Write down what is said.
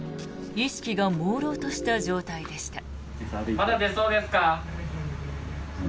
意識がもうろうとした状態でした。